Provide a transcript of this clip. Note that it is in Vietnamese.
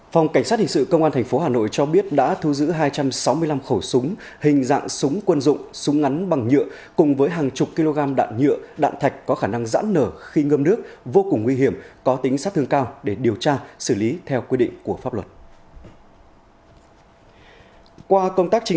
phòng cảnh sát hình sự công an tp hà nội cho biết đã thu giữ hai trăm sáu mươi năm khẩu súng hình dạng súng quân dụng súng ngắn bằng nhựa cùng với hàng chục kg đạn nhựa đạn thạch có khả năng giãn nở khi ngâm nước vô cùng nguy hiểm có tính sát thương cao để điều tra xử lý theo quy định của pháp luật